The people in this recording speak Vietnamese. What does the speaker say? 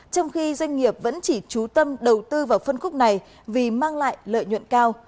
trong khi doanh nghiệp vẫn chỉ trú tâm đầu tư vào phân khúc này vì mang lại lợi nhuận cao